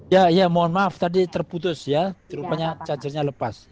ya mohon maaf tadi terputus ya rupanya cacarnya lepas